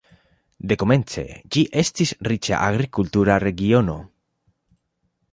Dekomence ĝi estis riĉa agrikultura regiono.